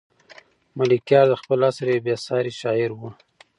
ملکیار د خپل عصر یو بې ساری شاعر و.